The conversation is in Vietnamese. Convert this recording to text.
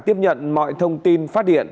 tiếp nhận mọi thông tin phát điện